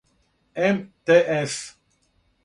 ем те ес